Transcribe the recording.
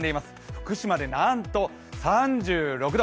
福島で、なんと３６度！